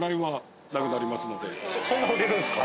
そんな売れるんですか？